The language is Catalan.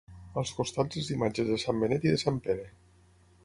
Als costats les imatges de sant Benet i de sant Pere.